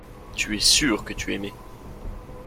Tu es sûr que tu aimais.